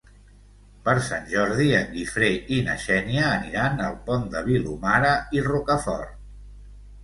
Per Sant Jordi en Guifré i na Xènia aniran al Pont de Vilomara i Rocafort.